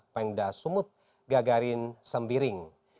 pengda sumut gagarin sembiring